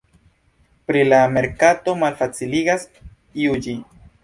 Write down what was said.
Pri la merkato malfacilas juĝi.